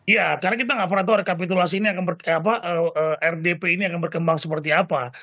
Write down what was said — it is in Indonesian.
ya karena kita gak pernah tahu rekapitulasi ini akan berkembang seperti apa